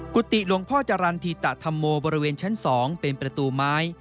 กุฏิหลวงพ่อจรรย์ธีตะธรรมโมบริเวณชั้น๒เป็นประตูไม้